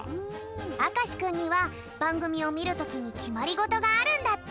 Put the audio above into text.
あかしくんにはばんぐみをみるときにきまりごとがあるんだって。